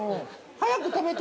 ◆早く食べて。